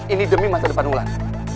ini demi masa depan wulan